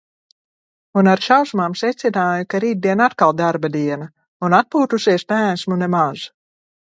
Un ar šausmām secināju, ka rītdien atkal darba diena. Un atpūtusies neesmu nemaz.